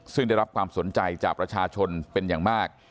ซึ่งได้รับความสนใจจากประชาชนเป็นอย่างมาก